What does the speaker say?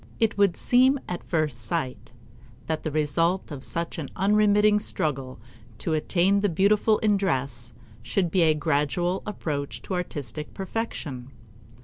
It would seem at first sight that the result of such an unremitting struggle to attain the beautiful in dress should be a gradual approach to artistic perfection.